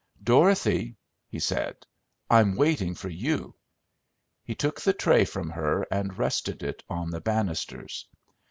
"Dorothy," he said, "I'm waiting for you." He took the tray from her and rested it on the banisters.